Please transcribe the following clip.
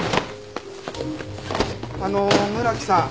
あの村木さん。